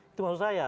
itu maksud saya